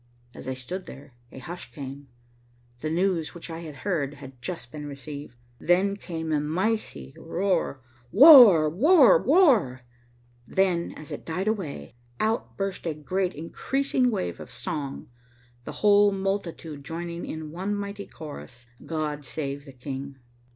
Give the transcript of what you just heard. As I stood there, a hush came. The news which I had heard had just been received. Then came a mighty roar, "War, War, War." Then, as it died away, out burst a great increasing wave of song, the whole multitude joining in one mighty chorus, "God save the King."